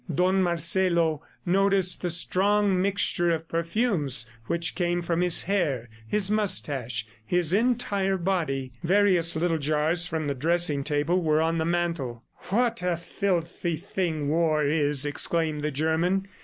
Don Marcelo noticed the strong mixture of perfumes which came from his hair, his moustache, his entire body. Various little jars from the dressing table were on the mantel. "What a filthy thing war is!" exclaimed the German.